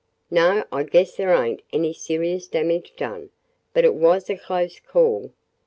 "No, I guess there ain't any serious damage done, but it was a close call.